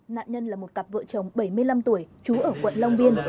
nạn nhân là một cặp vợ chồng bảy mươi năm tuổi trú ở quận long biên